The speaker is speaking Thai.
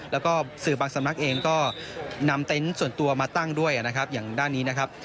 แล้วก็สื่อบางสำนักเองก็นำเต็นต์ส่วนตัวมาตั้งด้วยนะครับอย่างด้านนี้นะครับ